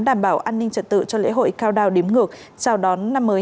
đảm bảo an ninh trật tự cho lễ hội cao đao đếm ngược chào đón năm mới hai nghìn hai mươi ba